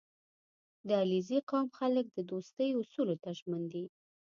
• د علیزي قوم خلک د دوستۍ اصولو ته ژمن دي.